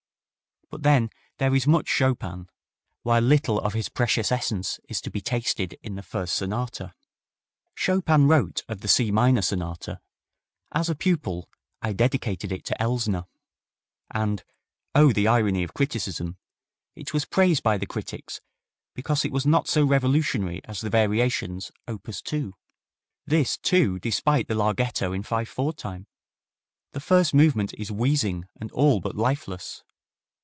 But then there is much Chopin, while little of his precious essence is to be tasted in the first sonata. Chopin wrote of the C minor Sonata: "As a pupil I dedicated it to Elsner," and oh, the irony of criticism! it was praised by the critics because not so revolutionary as the Variations, op. 2. This, too, despite the larghetto in five four time. The first movement is wheezing and all but lifeless.